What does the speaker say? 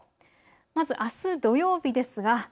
まずあす土曜日です。